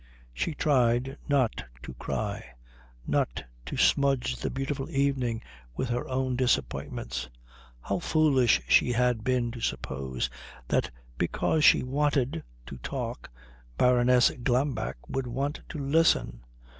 She tried not to cry, not to smudge the beautiful evening with her own disappointments. How foolish she had been to suppose that because she wanted to talk Baroness Glambeck would want to listen!